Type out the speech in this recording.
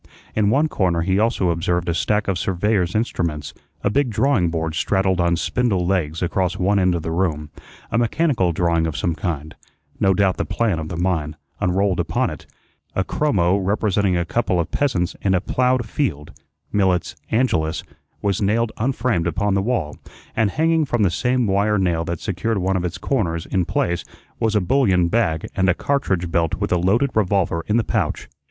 In one corner he also observed a stack of surveyor's instruments; a big drawing board straddled on spindle legs across one end of the room, a mechanical drawing of some kind, no doubt the plan of the mine, unrolled upon it; a chromo representing a couple of peasants in a ploughed field (Millet's "Angelus") was nailed unframed upon the wall, and hanging from the same wire nail that secured one of its corners in place was a bullion bag and a cartridge belt with a loaded revolver in the pouch.